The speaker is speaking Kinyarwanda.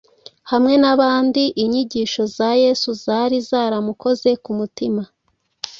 Hamwe n’abandi, inyigisho za Yesu zari zaramukoze ku mutima